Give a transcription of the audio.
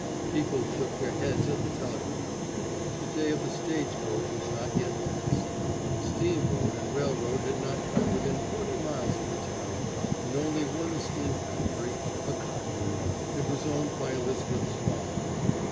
People shook their heads at the telegraph. The day of the stage coach was not yet past. Steamboat and railroad had not come within forty miles of the town, and only one steam factory a cotton mill that was owned by Elizabeth's father.